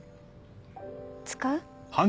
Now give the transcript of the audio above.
使う？